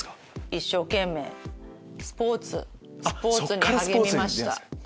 一生懸命スポーツスポーツに励みました。